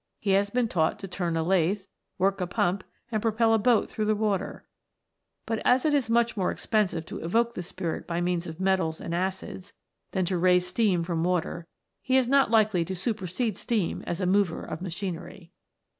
He has been aught to turn a lathe, work a pump, and propel a )oat through the water ; but as it is much more expensive to evoke the Spirit by means of metals ind acids, than to raise Steam from water, he is lot likely to supersede Steam as a mover of ma shinery.